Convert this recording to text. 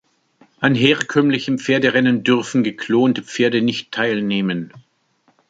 An herkömmlichen Pferderennen dürfen geklonte Pferde nicht teilnehmen.